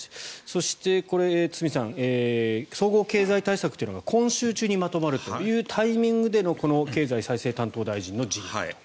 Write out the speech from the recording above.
そして、堤さん総合経済対策というのが今週中にまとまるというタイミングでのこの経済再生担当大臣の辞任と。